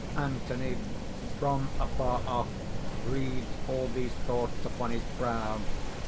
_ _Anthony, from afar off, reads all these thoughts upon his brow.